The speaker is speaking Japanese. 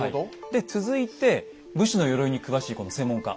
で続いて武士の鎧に詳しいこの専門家